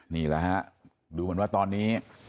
นี่แหละฮะดูเหมือนว่าตอนนี้